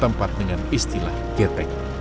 ketempat dengan istilah gtec